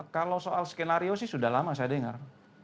kalau soal skenario sih sudah lama saya dengar